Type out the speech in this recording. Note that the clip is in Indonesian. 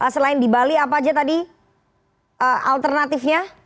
selain di bali apa aja tadi alternatifnya